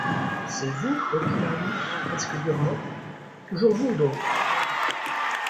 C’est vous ? reprit Marius presque durement, toujours vous donc !